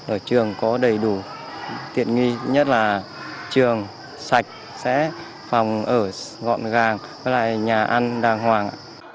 ở trường có đầy đủ tiện nghi nhất là trường sạch sẽ phòng ở gọn gàng với lại nhà ăn đàng hoàng ạ